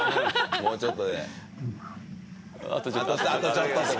もうちょっと。